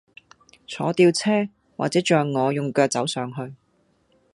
坐吊車，或者像我用腳走上去